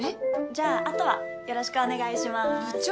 じゃああとはよろしくお願いします部長？